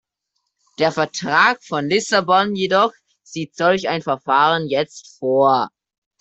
Der Vertrag von Lissabon jedoch sieht solch ein Verfahren jetzt vor.